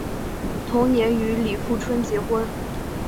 同年与李富春结婚。